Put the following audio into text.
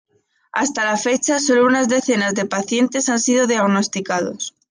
Hasta la fecha, solo unas decenas de pacientes han sido diagnosticados.